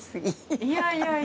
いやいやいや。